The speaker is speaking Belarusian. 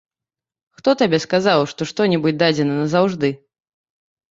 Хто табе сказаў, што што-небудзь дадзена назаўжды?